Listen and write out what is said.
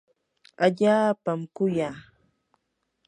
allaapami kuyaa.